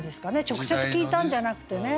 直接聴いたんじゃなくてね。